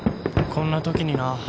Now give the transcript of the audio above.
こんなときにな。